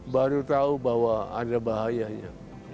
baru tahu bahwa ada bahayanya